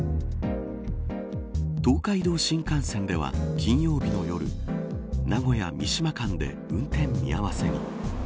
東海道新幹線では金曜日の夜名古屋三島間で運転見合わせに。